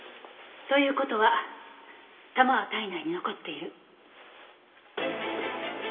という事は弾は体内に残っている。